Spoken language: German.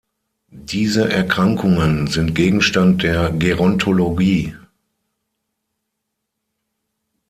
Diese Erkrankungen sind Gegenstand der Gerontologie.